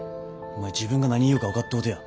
お前自分が何言うか分かっとうとや。